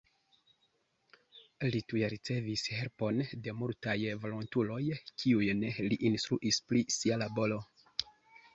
Li tuj ricevis helpon de multaj volontuloj kiujn li instruis pri sia laboro.